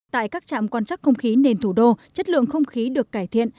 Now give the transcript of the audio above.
tại các trạm quan chắc không khí nền thủ đô chất lượng không khí được cải thiện